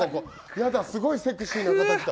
やだ、すごいセクシーな方来た。